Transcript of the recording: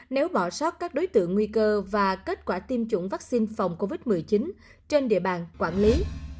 nếu bỏ sót các đối tượng nguy cơ và kết quả tiêm chủng vaccine phòng covid một mươi chín trên địa bàn quản lý